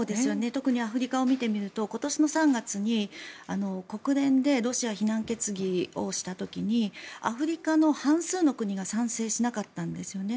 特にアフリカを見てみると今年の３月に国連でロシア非難決議をした時にアフリカの半数の国が賛成しなかったんですよね。